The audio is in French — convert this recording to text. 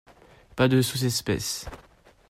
Pas de sous-espèces.